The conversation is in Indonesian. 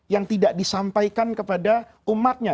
yang tidak disampaikan kepada umatnya